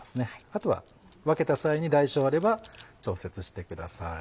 あとは分けた際に大小あれば調節してください。